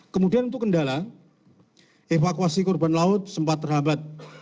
kemudian untuk kendala evakuasi korban laut sempat terhambat